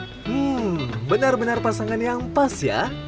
hmm benar benar pasangan yang pas ya